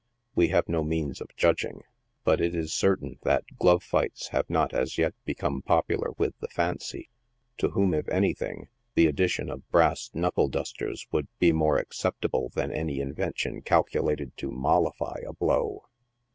we have no means of jndging ; but it is certain that glove fights have not as yet become popular with the " fancy," to whom, if anything, the addition of brass " knuckle dusters" would be more acceptable than any in vention calculated to mollify a blow.